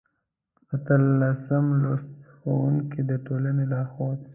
اتلسم لوست: ښوونکی د ټولنې لارښود